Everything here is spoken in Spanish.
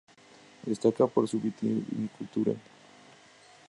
Destaca por su vitivinicultura.